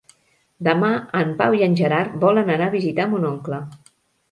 Demà en Pau i en Gerard volen anar a visitar mon oncle.